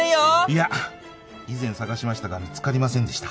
いや以前捜しましたが見つかりませんでした。